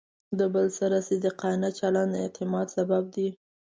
د بل سره صادقانه چلند د اعتماد سبب دی.